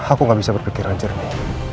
aku gak bisa berpikiran jernih